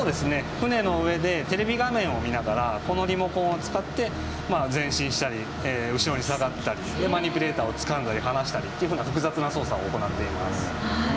船の上でテレビ画面を見ながらこのリモコンを使って前進したり後ろに下がったりマニピュレーターをつかんだり離したりっていうふうな複雑な操作を行っています。